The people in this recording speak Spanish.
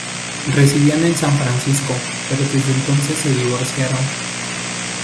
Residían en San Francisco, pero desde entonces se divorciaron.